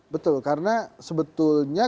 betul karena sebetulnya